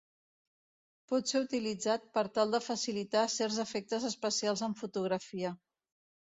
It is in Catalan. Pot ser utilitzat per tal de facilitar certs efectes especials en fotografia.